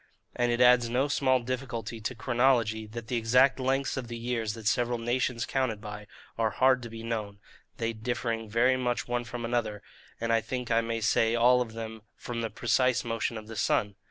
And it adds no small difficulty to chronology, that the exact lengths of the years that several nations counted by, are hard to be known, they differing very much one from another, and I think I may say all of them from the precise motion of the sun.